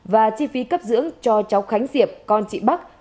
và chi phí cấp dưỡng cho cháu khánh diệp con chị bắc